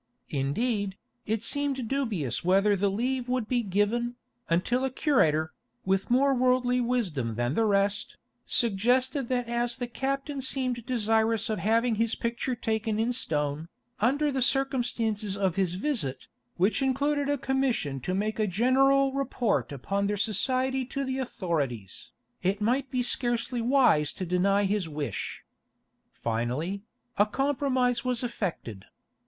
Indeed, it seemed dubious whether the leave would be given, until a curator, with more worldly wisdom than the rest, suggested that as the captain seemed desirous of having his picture taken in stone, under the circumstances of his visit, which included a commission to make a general report upon their society to the authorities, it might be scarcely wise to deny his wish. Finally, a compromise was effected.